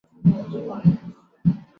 洪武十八年出生。